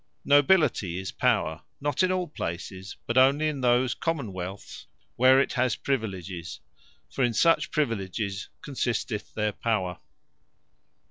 Nobility is Power, not in all places, but onely in those Common wealths, where it has Priviledges: for in such priviledges consisteth their Power.